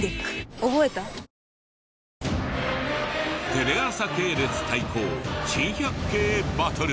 テレ朝系列対抗珍百景バトル。